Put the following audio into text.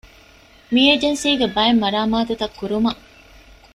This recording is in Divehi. މި އޭޖެންސީގެ ބައެއް މަރާމާތުތައް ކުރުމަށް